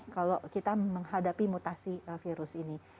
kalau kita menghadapi mutasi virus ini